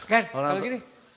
kan kalau gini